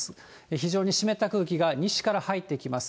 非常に湿った空気が西から入ってきます。